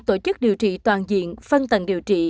tổ chức điều trị toàn diện phân tần điều trị